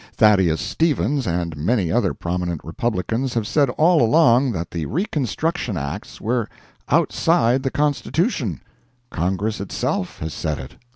Thaddeus Stevens and many other prominent Republicans have said all along that the Reconstruction Acts were "outside the Constitution;" Congress itself has said it.